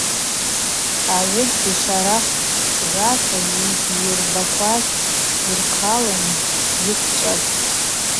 Агӏвыджьгьи шварах чӏвгӏвата йдйырбакваз йырхъалын йыквчӏватӏ.